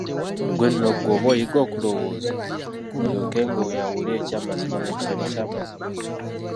Ggwe nno ggwe oba oyiga okulowooza, olyokenga oyawule ekyamazima n'ekitali kyamazima.